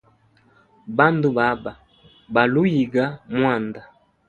Bandu baba, baluhuyiga mwanda.